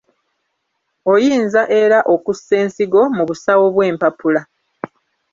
Oyinza era okussa ensigo mu busawo bw’empapula.